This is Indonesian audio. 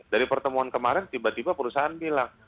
dari pertemuan kemarin tiba tiba perusahaan bilang